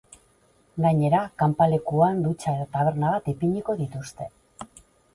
Gainera, kanpalekuan dutxa eta taberna bat ipiniko dituzte.